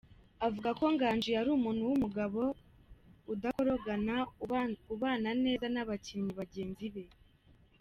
Avuga ko Gangi yari umuntu w’umugabo udakorogana, ubana neza n’abakinnyi bagenzi be.